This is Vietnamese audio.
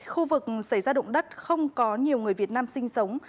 khu vực xảy ra động đất không có nhiều người việt nam sinh sống